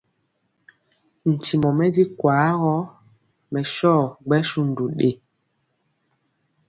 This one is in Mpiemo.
Ntimɔ mɛ di kwaa gɔ, mɛ sɔ gbɛsundu ɗe.